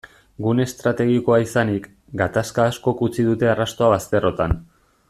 Gune estrategikoa izanik, gatazka askok utzi dute arrastoa bazterrotan.